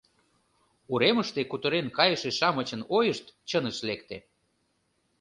Уремыште кутырен кайыше-шамычын ойышт чыныш лекте.